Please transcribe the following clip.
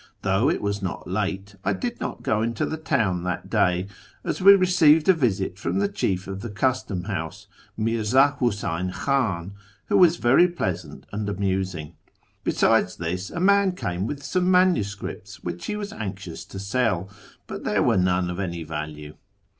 Though it was not late, I did not go into the town that day, as we received a visit from the chief of the custom house, Mirza Huseyn Khan, who was very pleasant and amusing. Besides this, a man came with some manuscripts which he was anxious to sell, but there were none of any value.